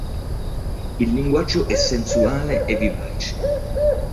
Il linguaggio è sensuale e vivace.